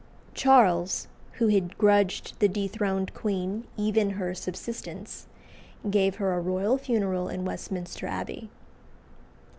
Charles, who had grudged the dethroned queen even her subsistence, gave her a royal funeral in Westminster Abbey.